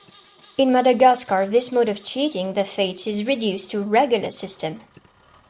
In Madagascar this mode of cheating the fates is reduced to a regular system.